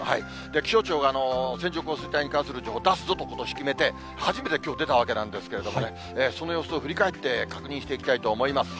気象庁が線状降水帯に関する情報、出すぞとことし決めて、初めてきょう出たわけなんですけれどもね、その様子を振り返って確認していきたいと思います。